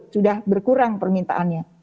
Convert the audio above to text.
sudah berkurang permintaannya